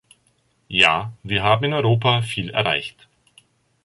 Ja, wir haben in Europa viel erreicht.